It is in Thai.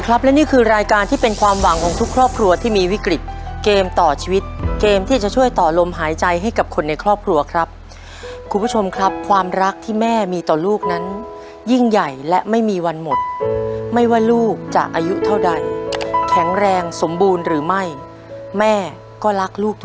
ครับเราจะได้สัมผัสหัวใจของแม่ผ่านเรื่องราวชีวิตของครอบครัวที่มาร่วมรายการเราในวันนี้ไปชมเรื่องราวพร้อมเป็นครับ